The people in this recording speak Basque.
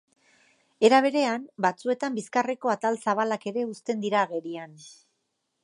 Era berean, batzuetan bizkarreko atal zabalak ere uzten dira agerian.